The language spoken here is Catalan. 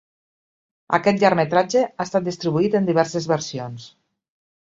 Aquest llargmetratge ha estat distribuït en diverses versions.